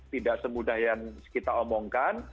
tidak semudah yang kita omongkan